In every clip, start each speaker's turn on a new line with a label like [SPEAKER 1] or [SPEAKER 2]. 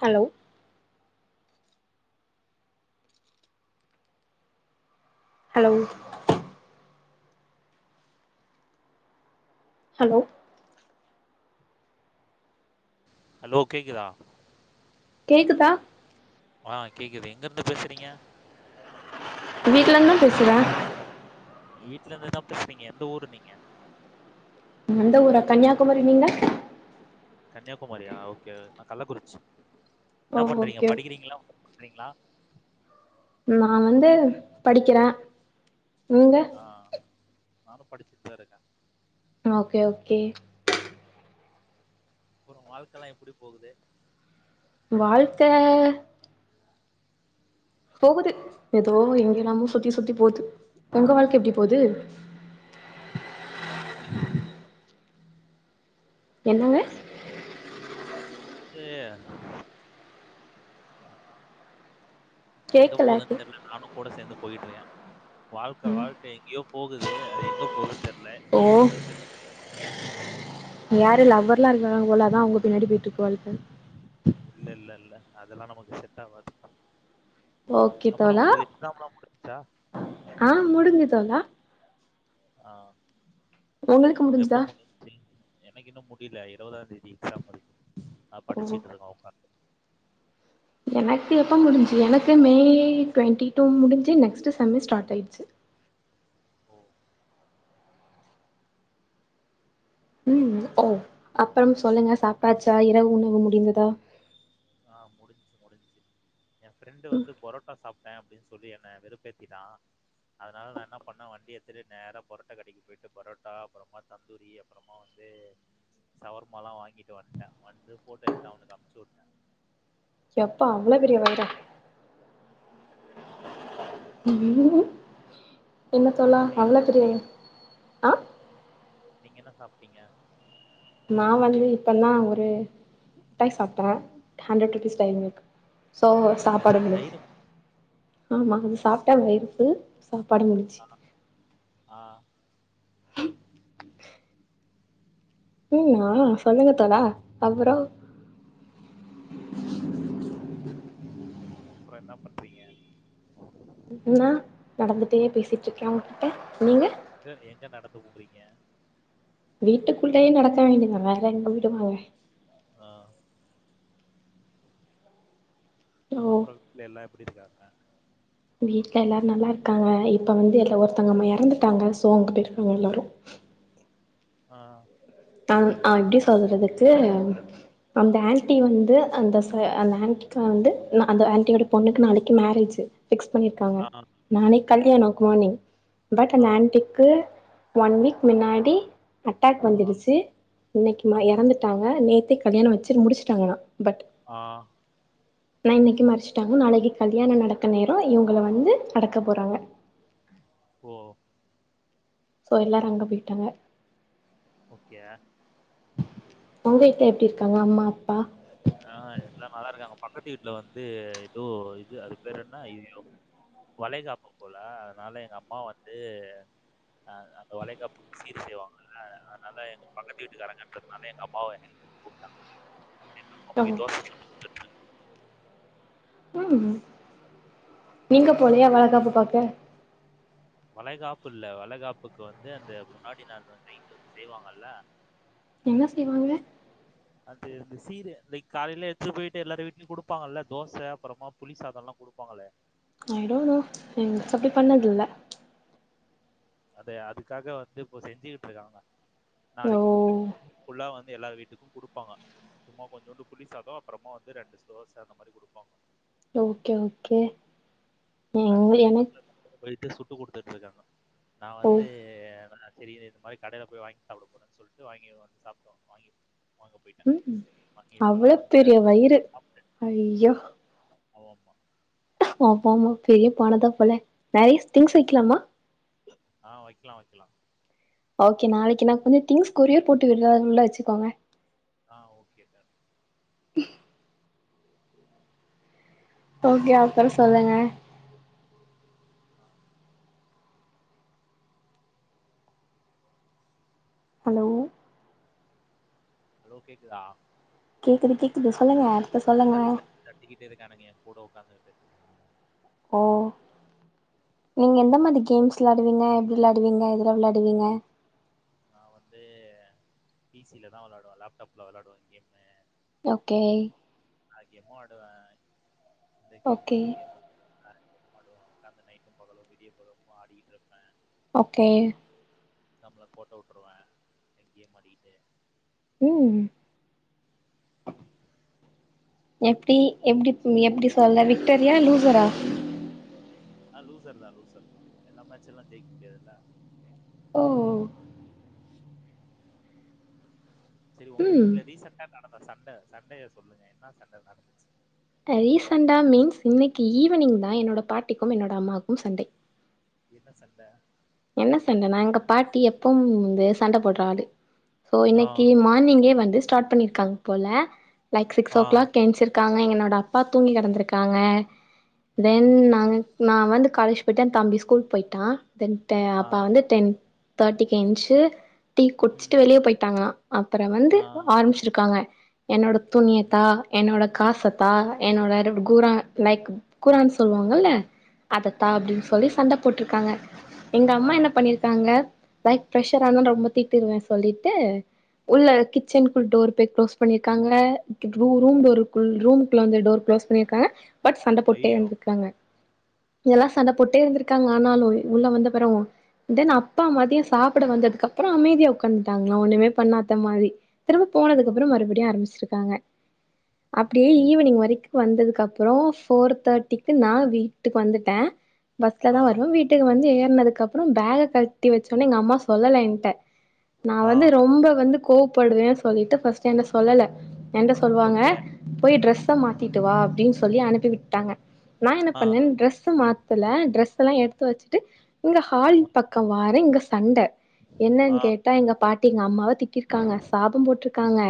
[SPEAKER 1] Hello hello hello
[SPEAKER 2] hello கேக்குதா
[SPEAKER 1] கேக்குதா
[SPEAKER 2] ஆ கேக்குது எங்க இருந்து பேசுறீங்க
[SPEAKER 1] வீட்டுல இருந்தா பேசுறே
[SPEAKER 2] வீட்டுல இருந்துதா பேசுறீங்க எந்த ஊரு நீங்க
[SPEAKER 1] மந்த ஊரா கன்னியாகுமரி நீங்க
[SPEAKER 2] கன்னியாகுமாரியா ஓகே நா கள்ளக்குறிச்சி
[SPEAKER 1] ஓ
[SPEAKER 2] என்ன பண்றீங்க
[SPEAKER 1] ஓகே
[SPEAKER 2] படிக்கிறீங்களா ஒர்க் பண்றீங்களா
[SPEAKER 1] நா வந்து படிக்றே நீங்க
[SPEAKER 2] ஆ நானு படிச்சுட்டுதா இருக்கே
[SPEAKER 1] ஓகே ஓகே
[SPEAKER 2] அப்பறோ வாழ்க்கைல்லா எப்டி போகுது
[SPEAKER 1] வாழ்த்த போகுது எதோ எங்க எல்லாமோ சுத்தி சுத்தி போது உங்க வாழ்க்க எப்டி போகுது
[SPEAKER 2] வாழ்க்கை எதோ அதே தா
[SPEAKER 1] என்னது
[SPEAKER 2] இல்லயே எங்க
[SPEAKER 1] கேக்கல
[SPEAKER 2] போதுன் தெரில நானு கூட சேந்து போய்ட்ருக்கே வாழ்க்க
[SPEAKER 1] ம்
[SPEAKER 2] வாழ்க்க அக்கா எங்கேயோ போகுது அது எங்க போகுதுன்னு தெர்ல
[SPEAKER 1] ஓ யாரு லவ்வர்ல்ல இருக்காங்க போல அதா அவுங்க பின்னாடி பொய்ட்டு இருக்காள்க
[SPEAKER 2] இல்ல இல்ல இல்ல அதெல்லா நமக்கு செட் ஆகாது
[SPEAKER 1] ஓகே
[SPEAKER 2] அப்றோ
[SPEAKER 1] தோழா
[SPEAKER 2] ஒங்களுக் எக்ஸாம்ல்லா முடிஞ்சா
[SPEAKER 1] ஆ முடுங்சுது தோழா
[SPEAKER 2] ஆ
[SPEAKER 1] உங்களுக்கு
[SPEAKER 2] எப்போ
[SPEAKER 1] முடிஞ்சுதா
[SPEAKER 2] முடி சிங் எனக்கு இன்னு முடியல இருவதாந் தேதி எக்ஸாம் இருக்கு அ
[SPEAKER 1] ஓ
[SPEAKER 2] படிச்சுட்ருக்கோ
[SPEAKER 1] எனக்கு எப்போ முடிஞ்சு எனக்கு மே ட்வெண்ட்டி டூ முடிஞ்சு நெக்ஸ்ட் செம்மெ ஸ்டார்ட் ஆயிடுச்சு
[SPEAKER 2] ஓ
[SPEAKER 1] ம் ஓ அப்புறம் சொல்லுங்க சாப்டாச்சா இரவு உணவு முடிந்ததா
[SPEAKER 2] ஆ முடிஞ்சு முடிஞ்சு எ ஃப்ரெண்டு வந்து புரோட்டா சாப் மேம் அப்டி சொல்லி என்ன வெறுப்பேத்திட்டான் அதனால நா என்ன பண்ணே வண்டிய எத்துனு நேரா புரோட்டா கடைக்கு போயிட்டு புரோட்டா அப்றமா தந்தூரி அப்றமா வந்து சவர்மாலா வாங்கிட்டு வந்ட்டே வந்து போட்டோ எடுத்து அவனுக்கு எடுத்து அன்ப்ச்சு விட்டே
[SPEAKER 1] யப்பா அவள பெரிய வயிரா என்ன தோழா
[SPEAKER 2] நீங்க என்ன
[SPEAKER 1] அவ்ளோ தெரியாது
[SPEAKER 2] சாப்பிட்டீங்க? நீங்க என்ன சாப்ட்டீங்க
[SPEAKER 1] நா வந்து இப்பல்லா ஒரு ட்டாய் சாப்ட்டோ ஹண்ட்ரட் ருபீஸ் டைரிமில்க் சோ
[SPEAKER 2] என்னது
[SPEAKER 1] சாப்பாடு முடிஞ்
[SPEAKER 2] டைரி
[SPEAKER 1] ஆமா அது சாப்ட்டா வயிருப்பு சாப்பாடு முடிஞ்
[SPEAKER 2] ஆ
[SPEAKER 1] ம் ஆ சொல்லுங்க தோழா அப்புறோ
[SPEAKER 2] அப்றோ என்ன பண்றீங்க
[SPEAKER 1] என்னா நடந்துட்டே பேசிட்டுருக்கே உங்ககிட்ட நீங்க
[SPEAKER 2] சிஸ்டர் எங்க நடந்து ஊடுறீங்க
[SPEAKER 1] வீட்டுக்குள்ளயே நடக்க வேண்டியதா வேற எங்க வீடு போவே
[SPEAKER 2] ஆ
[SPEAKER 1] ஓ
[SPEAKER 2] அப்பறோ [inaudible] எல்லா எப்படி இருக்காங்க
[SPEAKER 1] வீட்டுல எல்லாரு நல்லாருக்காங்க இப்ப வந்து எல்ல ஒருத்தவங்க இறந்துட்டாங்க சோ அங்க போயிருக்காங்க எல்லாரு
[SPEAKER 2] ஆ
[SPEAKER 1] அ அ எப்டி சொல்றதுக்கு அந்த ஆன்ட்டி வந்து அந்த ச அந்த ஆன்ட்டிக்கு வந்து ந அந்த ஆன்ட்டியோட பொண்ணுக்கு நாளைக்கு மேரேஜு ஃபிக்ஸ் பண்ணிருக்காங்க
[SPEAKER 2] ஆ,
[SPEAKER 1] நானே கல்யாணோ குமார்னிங் பட்
[SPEAKER 2] ஆ,
[SPEAKER 1] அந்த ஆன்டி க்கு ஒன் வீக் மின்னாடி அட்டாக்
[SPEAKER 2] ஆ,
[SPEAKER 1] வந்துடுச்சு இன்னைக்கி ம
[SPEAKER 2] ஆ,
[SPEAKER 1] எறந்து வந்துட்டாங்க நேத்தே கல்யாணம் வச்சு முடிச்சுட்டாங்ளா பட்
[SPEAKER 2] ஆ
[SPEAKER 1] நா இன்னிக்கு மறிச்சுட்டாங்க நாளைக்கு கல்யாணம் நடக்க நேரோ இவங்கள வந்து அடக்க போறாங்க
[SPEAKER 2] ஓ
[SPEAKER 1] சோ எல்லாரு அங்க போயிட்டாங்க
[SPEAKER 2] ஓக்கிய
[SPEAKER 1] உங்க வீட்ல எப்டி இருக்காங்க அம்மா அப்பா
[SPEAKER 2] ஆ எல்லா நல்லா இருக்காங்க பக்கத்து வீட்ல வந்து ஏதோ இது அது பேரு என்னா ஐய்யய்யோ வளைகாப்பு போல அதனால எங்க அம்மா வந்து அ அந்த வலைகாப்புக்கு சீர் செய்வாங்கல்ல அதனால எங்க பக்கத்து வீட்டுக்காரங்கன்றதுனால எங்க அம்மாவ ஹெல்ப் எங்கம்மா போய் [unintelligible]
[SPEAKER 1] ம் நீங்க போலயா
[SPEAKER 2] இருந்தாங்க.
[SPEAKER 1] வளகாப்பு பாக்க
[SPEAKER 2] வளைகாப்பு இல்ல வளகாப்புக்கு வந்து அந்த முன்னாடி நாள் வந்து இங்க வந்து செய்வாங்கல்ல
[SPEAKER 1] என்ன செய்வாங்க
[SPEAKER 2] அது இந்த சீர் லைக் காலையில எடுத்துட்டு போயிட்டு எல்லாரு வீட்டுலயு குடுப்பாங்கல்ல தோச அப்புறோமா புளி சாதோ எல்லா குடுப்பாங்கலே
[SPEAKER 1] ஐ டோன்ட் நோ எங்களுக்கு அப்டி பண்ணதில்ல
[SPEAKER 2] அத அதுக்காக வந்து இப்ப செஞ்சுக்கிட்ருக்காங்க
[SPEAKER 1] ஓ
[SPEAKER 2] நாளைக்கு வந்து ஃபுல்லா வந்து எல்லா வீட்டுக்கு கொடுப்பாங்க சும்மா கொஞ்சோண்டு புளி சாதோ அப்புறமா வந்து ரெண்டு தோச அந்த மாரி கொடுப்பாங்க
[SPEAKER 1] ஓகே ஓகே எங்க
[SPEAKER 2] அதுக்கு வந்து
[SPEAKER 1] எனக்
[SPEAKER 2] அக்கா போயிட்டு சுட்டு கொடுத்துட்டு இருக்காங்க நா
[SPEAKER 1] ஓ
[SPEAKER 2] வந்து சேரி இந்த மாரி கடையில போய் வாங்கி சாப்பட போறன்னு சொல்ட்டு வாங்கி வந்து சாப்டோ வாங்கி வாங்க போயிட்டே
[SPEAKER 1] ம்
[SPEAKER 2] வாங்கி இப்பதா
[SPEAKER 1] அவ்ளோ
[SPEAKER 2] வந்தே
[SPEAKER 1] பெரிய
[SPEAKER 2] வந்து
[SPEAKER 1] வயிறு
[SPEAKER 2] சாப்ட்டு
[SPEAKER 1] ஐயோ
[SPEAKER 2] ஆமா
[SPEAKER 1] பாக்கமா பெரிய பானதா போல நிறய திங்ஸ் வெக்கலாமா
[SPEAKER 2] ஆ வெக்கலா வெக்கலா
[SPEAKER 1] ஓகே நாளைக்கு நா புது திங்ஸ் கொரியர் போட்டு விடுரா அது உள்ள வச்சுக்கோங்க
[SPEAKER 2] ஆ ஓகே டான்
[SPEAKER 1] ஓகே அப்பற சொல்லுங்க
[SPEAKER 2] ஆ
[SPEAKER 1] ஹலோ
[SPEAKER 2] ஹலோ கேக்குதா
[SPEAKER 1] கேக்குது கேக்குது சொல்லுங்க அடுத்து சொல்லுங்க
[SPEAKER 2] தட்டிக்கிட்ட இருக்கானுக என்கூட உங்கத்துகிட்டு
[SPEAKER 1] ஓ நீங்க எந்த மாரி கேம்ஸ் விளையாடுவீங்க எப்டி விளையாடுவீங்க எதில விளையாடுவீங்க
[SPEAKER 2] நா வந்து பிசில தா விளாடுவே லேப்டாப்ல விளாடுவவே கேமு
[SPEAKER 1] ஓகே
[SPEAKER 2] நா கேமோ ஆடுவ இந்த கேமா
[SPEAKER 1] ஓகே
[SPEAKER 2] அந்த கேம் கிட கரண்ட் போனலு உட்காந்து நைட்டு பகலு விடிய பகலு ஆடிட்டு இருப்பே
[SPEAKER 1] ஓகே
[SPEAKER 2] நம்பள கோட்ட விட்ருவே எங்கேம் ஆடிக்கிட்டு
[SPEAKER 1] ம் எப்டி எப்டி எப்டி சொல்ல விக்டரியா லூசரா
[SPEAKER 2] ஆ லூசர் தா லூசர் தா எல்லா மேட்ச எல்லா ஜெயிக்க முடியாதுல்ல
[SPEAKER 1] ஓ
[SPEAKER 2] சேரி உங்க
[SPEAKER 1] ம்
[SPEAKER 2] வீட்ல ரீசன்டா நடந்த சண்ட சண்டைய சொல்லுங்க என்ன சண்ட நடந்துச்சு
[SPEAKER 1] ரீசண்டா மீன்ஸ் இன்னிக்கு ஈவினிங் தா என்னோட பாட்டிக்கு என்னோட அம்மாவுக்கு சண்ட
[SPEAKER 2] என்ன சண்ட
[SPEAKER 1] என்ன சண்டனா எங்க பாட்டி எப்வு வந்து சண்ட போடுறாளு சோ
[SPEAKER 2] ஆ
[SPEAKER 1] இன்னிக்கு மார்னிங்கே வந்து ஸ்டார்ட் பண்ணிருக்காங்க போல லைக் சிக்ஸ் ஓ
[SPEAKER 2] ஆ
[SPEAKER 1] கிளாக் ஏன்ச்ருக்காங்க என்னோட அப்பா தூங்கி கிடந்திருக்காங்க
[SPEAKER 2] ம்
[SPEAKER 1] தென் நாங்க நா வந்து காலேஜ் போயி்ட்டே என் தம்பி ஸ்கூல் போயிட்டா தென்
[SPEAKER 2] ஆ
[SPEAKER 1] அப்பா வந்து டென் தேட்டிக்கு ஏன்ஞ்சு டி குடிச்சுட்டு
[SPEAKER 2] ம்
[SPEAKER 1] வெளியே போயிட்டாங்களா அப்பற வந்து
[SPEAKER 2] ஆ
[SPEAKER 1] ஆரம்பிச்சிருக்காங்க என்னோட துணிய
[SPEAKER 2] ம்
[SPEAKER 1] தா என்னோட காசத்தா என்னோட குரான் லைக் குரான்னு சொல்லுவாங்கல்ல அதத்தா அப்டின்னு சொல்லி சண்ட போட்ருக்காங்க எங்க
[SPEAKER 2] ஆ
[SPEAKER 1] அம்மா என்ன பண்ணிருக்காங்க லைக் ப்ரெஷர் இருந்தன்னு ரொம்ப திட்டுருவே சொல்லிட்டு உள்ள கிச்சன் டோர் போய் க்ளோஸ் பண்ணியிருக்காங்கூ ரூ டோக்கு ரூமுக்குள்ள வந்த டோர் க்ளோஸ் பண்ணியிருக்காங்க ப பட் சண்ட போட்டே
[SPEAKER 2] ஐயோ
[SPEAKER 1] இருந்திருக்காங்க இதெலா சண்ட போட்டே இருந்திருக்காங்க ஆனாலு உள்ள வந்து அப்பறோ தென் அப்பா மதியோ சாப்புட வந்ததுக்கப்பறோ அமைதியா உக்காந்துட்டாங்களா ஒண்ணுமே பண்ணாத்த மாரி திரும்ப
[SPEAKER 2] ஆ
[SPEAKER 1] போனதுக்கப்றோ மறுபடியு ஆரம்பிச்சிருக்காங்க
[SPEAKER 2] ம்
[SPEAKER 1] அப்டியே ஈவினிங் வரைக் வந்ததுக்கப்றோ ஃபோர் தேட்டிக்கு நா வீட்டுக்கு வந்துட்டே பஸ்ல
[SPEAKER 2] ஆ
[SPEAKER 1] தா வருவே வீட் வீட்டுக்கு வந்து ஏறுனதுக்கப்றோ பேக கழட்டி வச்சொனே எங்க அம்மா சொல்லல ஏன்ட்ட நா
[SPEAKER 2] ஆ
[SPEAKER 1] வந்து ரொம்ப வந்து கோவப்படுவே சொல்லிட்டு ஃபர்ஸ்டு ஏன்ட சொல்லல ஏன்ட சொல்லுவாங்க
[SPEAKER 2] ஓகே
[SPEAKER 1] போய் டிரெஸ்ஸ மாத்திட்டு வா அப்டின் சொல்லி அனுப்பி விட்டாங்க நா என்ன
[SPEAKER 2] ஆ
[SPEAKER 1] பண்ணேன் டிரெஸ்ஸ மாத் தல டிரெஸெல்லா எடுத்துவச் இங்க ஹால் பக்கோ வாரே இங்க சண்ட என்னன்
[SPEAKER 2] ஆ
[SPEAKER 1] கேட்டா எங்க பாட்டி எங்க அம்மாவா திட்டிர்க்காங்க சாபோ போட்ருக்காங்க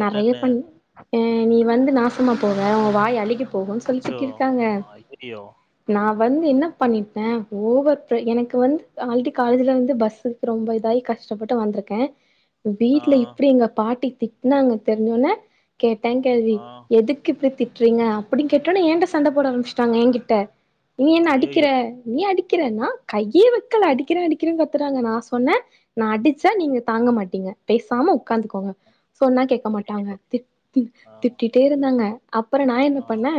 [SPEAKER 1] நெறயா
[SPEAKER 2] என்னன்னு
[SPEAKER 1] பண் அ நீ வந்து நாசமா போவ ஓ வாய் அழுகிப் போகுன் சொல்லி
[SPEAKER 2] அச்சோ
[SPEAKER 1] திட்டிருக்காங்க
[SPEAKER 2] ஐயோ
[SPEAKER 1] நா வந்து என்ன பண்ணிட்டே ஓவர் ப்ரெ எனக்கு வந்து ஆல்ரெடி காலேஜில வந்து பஸ்ஸுர்க் ரொம்ப இதாயி கஷ்டப்பட்டு வந்துருக்கே
[SPEAKER 2] ஆ
[SPEAKER 1] வீட்ல இப்டி எங்க பாட்டி திட்டனாங்க தெரிஞ்சோடனே கேட்டே கேள்வி
[SPEAKER 2] ஆ
[SPEAKER 1] எதுக் கு இப்டி திட்றீங்க அப்பிடின் கேட்டோனே ஏன்ட சண்ட போட ஆரம்பிச்சிட்டாங்க ஏங்கிட்ட நீ என்ன அடிக்கிற
[SPEAKER 2] ஐயோ
[SPEAKER 1] நீ அடிக்கிறன்னா கையே வக்கல அடிக்கிறே அடிக்கிறேன் கத்துறாங்க நா சொன்னே நா அடிச்சா நீங்க தாங்க மாட்டீங்க பேசாம உக்காந்துக்கோங்க சொன்னா கேக்க மாட்டாங்க
[SPEAKER 2] ஐயய்யோ!
[SPEAKER 1] திட் தி
[SPEAKER 2] ஆ,
[SPEAKER 1] திட்டிட்டே இருந்தாங்க அப்பறோ நா என்ன
[SPEAKER 2] ஆ,
[SPEAKER 1] பண்ணே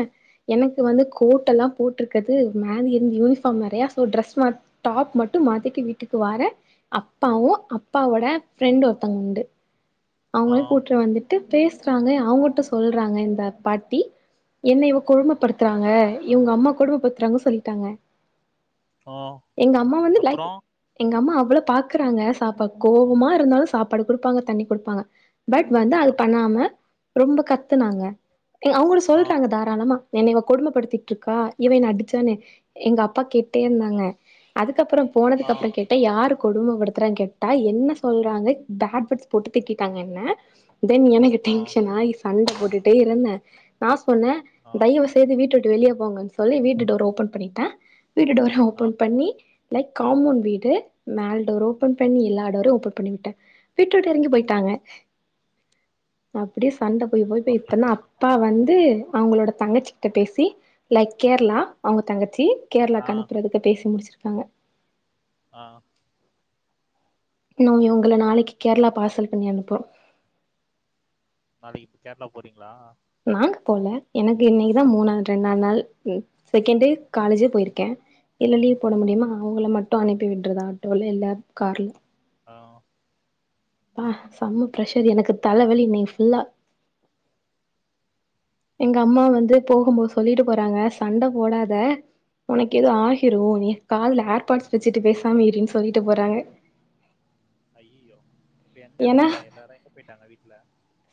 [SPEAKER 1] எனக்கு வந்து கோட்டெல்லா போட்ருக்கது மேல இருந்து யூனிஃபார்ம் வேறையா சோ ட்ரெஸ் மாத் டாப் மட்டு மாத்திட்டு வீட்டுக்கு வாரே அப்பாவு அப்பாவோட ஃப்ரெண்ட் ஒருத்தங்க உண்டு
[SPEAKER 2] ஆ,
[SPEAKER 1] அவங்களையு கூட்டு வந்துட் டு பேசுறாங்க அவங்கட்ட சொல்றாங்க இந்த பாட்டி என்ன இவ கொடும
[SPEAKER 2] ஆ,
[SPEAKER 1] படுத்றாங்க இவங்கம்மா கொடும படுத்றாங்க சொல்லிட்டாங்க
[SPEAKER 2] ஆ
[SPEAKER 1] எங்க அம்மா வந்து லைக்
[SPEAKER 2] அப்புறம்?
[SPEAKER 1] எங்கம்மா அவ்வளோ பாக்குறாங்க சாப்பா கோவமா இருந்தாலு சாப்பாடு குடுப்பாங்க தண்ணி குடுப்பாங்க பட் வந்து
[SPEAKER 2] ஆ,
[SPEAKER 1] அது பண்ணாம ரொம்ப கத்துனாங்க எ அவங்களு
[SPEAKER 2] ஆ,
[SPEAKER 1] சொல்றாங்க தா ராளமா என்ன இவ கொடுமப்படுத்திகிட்ருக்கா இவ என்ன அடிச்சானு எங்க அப்பா கேட் டே
[SPEAKER 2] ஆ,
[SPEAKER 1] இருந்தாங்க அதுக்கப்பறோ
[SPEAKER 2] ஆ,
[SPEAKER 1] போனதுக்கப்றோ கேட்டா யாரு கொடுமபடுத்துறான் கேட்டா என்ன சொல்றாங்க பேட் வேர்ட்ஸ் போட்டு திட்டிட்டாங்க என்ன தென் எனக்
[SPEAKER 2] ஆ,
[SPEAKER 1] டென்ஷன் ஆயி சண்ட போட்டுட்டே இருந்தே நா சொன்னே
[SPEAKER 2] ஆ,
[SPEAKER 1] தயவு செய்து வீட்டவுட் டு வெளிய போங்கன் சொல்லி வீட்டு டோர ஓபன் பண்ணிட்டே வீட்டு டோர
[SPEAKER 2] ஆ.
[SPEAKER 1] ஓபன் பண்ணி லைக் காம்பௌன்ட் வீடு மேல்டோர் ஓப்பன் பண்ணி எல்லா டோரையு ஓப்பன் பண்ணி விட்டே வீட்ட விட்டு எறங்கி போயிட்டாங்க நா அப்டியே சண்ட போய் போய் போய் இப்பனா
[SPEAKER 2] அப்டிங்களா?
[SPEAKER 1] அப்பா வந்து அவங்களோட தங்கச்சி கிட்ட பேசி லைக் கேரளா அவங்க தங்கச்சி
[SPEAKER 2] ஆ,
[SPEAKER 1] கேரளாக்
[SPEAKER 2] ஆ.
[SPEAKER 1] அனுப்புறதுக்கு பேசி முடிச்சிருக்காங்க
[SPEAKER 2] ஆ
[SPEAKER 1] இன்னூ இவங்கள நாளைக்கி கேரளா பார்சல் பண்ணி அனுப்புரோ
[SPEAKER 2] நாளைக்கி கேரளா போறீங்களா
[SPEAKER 1] நாங்க போல எனக்கு இன்னைக்குதா மூணாத் ரெண்டா நாள் செகேண்டு காலேஜே பொயிருக்கே இல்ல லீவ் போட
[SPEAKER 2] ஆ,
[SPEAKER 1] முடியுமா அவங்கள மட்டு அனுப்பி விட்றதா ஆட்டோல இல்ல கார்ல
[SPEAKER 2] ஆ
[SPEAKER 1] அப்பா செம்ம பிரஷர் எனக்கு தலவலி இன்னக்கி ஃபுல்லா எங்க அம்மா வந்து போகும்போது சொல்லிட்டு போறாங்க சண்ட போடாத உனக்கு ஏதுவு ஆயி கிரு
[SPEAKER 2] ம்.
[SPEAKER 1] நீ காதுலு ஏர்பா்ட்ஸ் வச்சுட்டு பேசாம இருன் சொல்லிட்டு போறாங்க
[SPEAKER 2] ஐய்யயோ இப்ப எங்க போறாங்க எல்லாரு எங்க போயிட்டாங்க வீட்டுல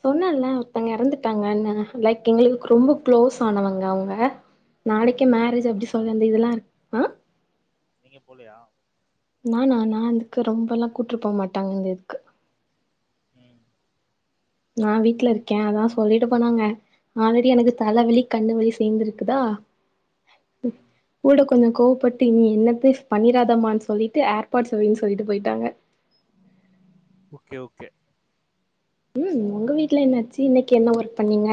[SPEAKER 1] சொன்னல்ல ஒருத்தவுங்க எறந்துட்டாங்கன்னு லைக் எங்களுக்கு ரொம்ப க்ளோஸ் ஆனவங்க அவுங்க நாளைக்கே
[SPEAKER 2] ஆ
[SPEAKER 1] மேரேஜ்
[SPEAKER 2] நீங்க
[SPEAKER 1] அப்டி சொல்ற அந்த இதெல்லா இருக் ஆ
[SPEAKER 2] நீங்க போலயா
[SPEAKER 1] நானா நா அதுக்கு ரொம்பல்லா கூட்டு போக மாட்டாங்க அந்த இதுக்கு
[SPEAKER 2] ம்
[SPEAKER 1] நா வீட்ல இருக்கே அதா சொல்லிட்டு போனாங்க ஆல்ரெடி எனக்கு தலவலி கண்ணு வலி சேர்ந்துருக்குதா
[SPEAKER 2] ம்.
[SPEAKER 1] கூட கொஞ்சோ கோவப்பட்டு நீ என்னத்த பண்ணிராதமான் சொல்லிட்டு ஏர்பாடு சொவின் சொல்லிட்டு போயிட்டாங்க
[SPEAKER 2] ஓகே ஓகே
[SPEAKER 1] ம் உங்க வீட்ல என்னாச்சு இன்னைக்கு என்ன ஒர்க் பண்ணீங்க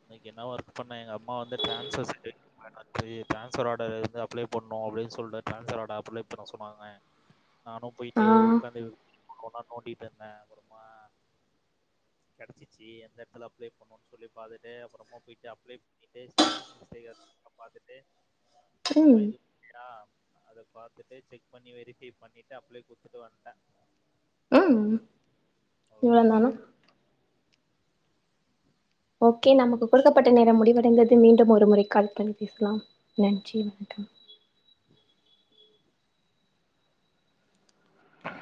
[SPEAKER 2] இன்னக்கி என்ன ஒர்க் பண்ண எங்க அம்மா வந்து டிரான்ஸ்ஃபர் செடு [unintelligible] டிரான்ஸஃபர் ஆர்டர் வந்து அப்ளை பண்ணு அப்டின்னு சொல்லிட்டு டிரான்ஸ்ஃபர் ஆ்டர் அப்ளை பண்ணு சொன்னாங்க நானு போயிட்டு
[SPEAKER 1] ஆ
[SPEAKER 2] உக்காந்து கொஞ்நேரோ நோண்டிட்டு இருந்த அப்புறமா கெடச்சுச்சி எந்த எடத்துல அப்ளே பண்ணுன்னு சொல்லி பாத்துட் டு அப்புறமா போயிட்டு அப்ளை பண்ணிட்டு ஸ்பெல்லிங் மிஸ்டேக் இருக்குதான்னு பாத்துட்டு அப்புறமா
[SPEAKER 1] ம்
[SPEAKER 2] அத பாத்துட்டு செக் பண்ணி வெரிஃபைவ் பண்ணிட்டு அப்ளே குடுத்துட்டு வந்தே
[SPEAKER 1] ம்
[SPEAKER 2] அவ்வளோதான்.
[SPEAKER 1] இவ்ளோ நேரோ ஓகே நமக்கு கொடுக்கப்பட்ட நேரோ முடிவடைந்தது மீண்டும் ஒரு முறை கால் பண்ணி பேசலா நன்றி வணக்க